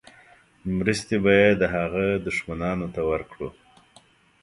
مرستې به یې د هغه دښمنانو ته ورکړو.